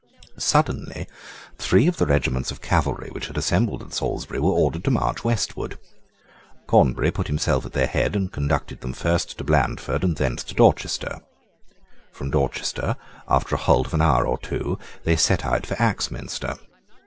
Suddenly three of the regiments of cavalry which had assembled at Salisbury were ordered to march westward. Cornbury put himself at their head, and conducted them first to Blandford and thence to Dorchester. From Dorchester, after a halt of an hour or two, they set out for Axminster.